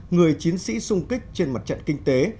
người chiến sĩ sung kích trên mặt trận kinh tế